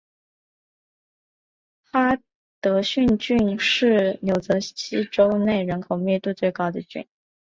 哈德逊郡是纽泽西州内人口密度最高的郡。